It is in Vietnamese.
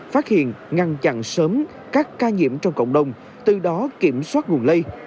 phát hiện ngăn chặn sớm các ca nhiễm trong cộng đồng từ đó kiểm soát nguồn lây